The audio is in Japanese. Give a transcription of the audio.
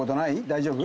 大丈夫？